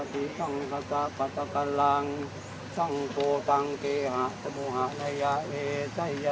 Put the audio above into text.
เป็นประจำทุกษ์สัมมูลในสุขคำใหญ่